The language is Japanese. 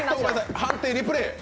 判定リプレー。